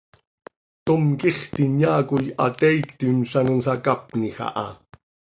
¿Tom quixt inyaa coi hateiictim z ano nsacapnij haaya?